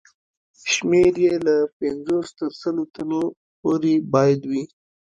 شمېر یې له پنځوس تر سلو تنو پورې باید وي.